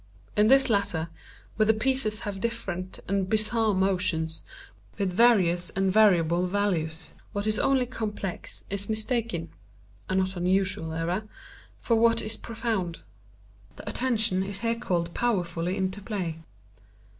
In this latter, where the pieces have different and bizarre motions, with various and variable values, what is only complex is mistaken (a not unusual error) for what is profound. The attention is here called powerfully into play.